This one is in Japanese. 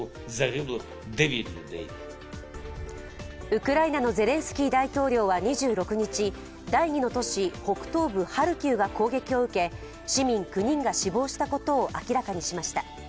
ウクライナのゼレンスキー大統領は２６日、第２の都市、北東部ハルキウが攻撃を受け、市民９人が死亡したことを明らかにしました。